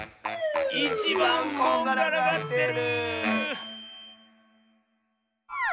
いちばんこんがらがってる！